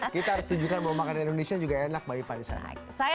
kita harus tunjukkan bahwa makanan indonesia juga enak bagi pak di sana